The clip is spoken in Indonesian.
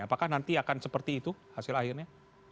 apakah nanti akan seperti itu hasil akhirnya